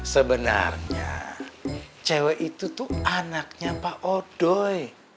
sebenarnya cewek itu tuh anaknya pak odoy